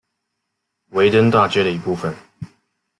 维登大街的一部分。